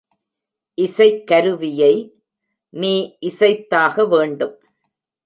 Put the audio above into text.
இசைக்கருவியை நீ இசைத்தாக வேண்டும்.